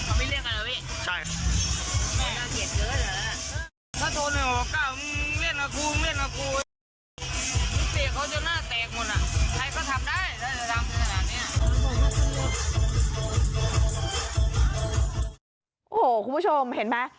โอ้โหคุณผู้ชมเห็นไหม